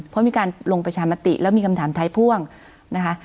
เพราะมีการลงประชามติแล้วมีคำถามท้ายพ่วงนะคะ